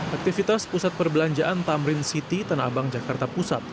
aktivitas pusat perbelanjaan tamrin city tanah abang jakarta pusat